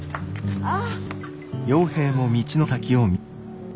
ああ。